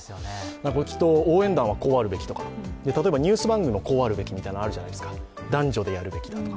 きっと応援団はこうあるべきとか、例えばニュース番組もこうあるべきというのがあるじゃないですか、男女でやるべきとか。